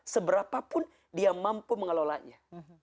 seberapapun dia mampu mengelolanya